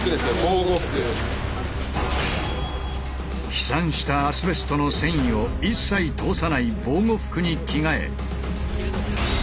飛散したアスベストの繊維を一切通さない防護服に着替え。